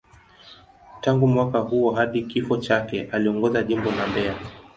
Tangu mwaka huo hadi kifo chake, aliongoza Jimbo la Mbeya.